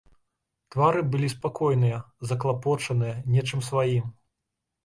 Твары былі спакойныя, заклапочаныя нечым сваім.